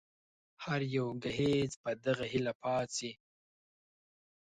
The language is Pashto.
هر يو ګهيځ په دغه هيله پاڅي